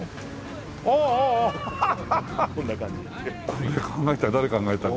これ考えた誰考えたの？